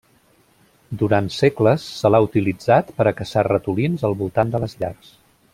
Durant segles, se l'ha utilitzat per a caçar ratolins al voltant de les llars.